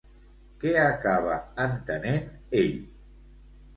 Què acaba entenent ell?